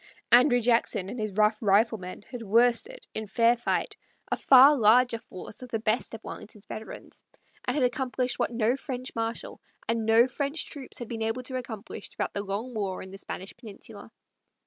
Andrew Jackson and his rough riflemen had worsted, in fair fight, a far larger force of the best of Wellington's veterans, and had accomplished what no French marshal and no French troops had been able to accomplish throughout the long war in the Spanish peninsula.